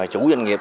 chủ doanh nghiệp